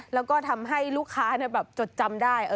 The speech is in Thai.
แล้วก็ทำให้ลูกค้าจดจำได้